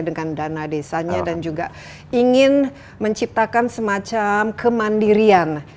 dengan dana desanya dan juga ingin menciptakan semacam kemandirian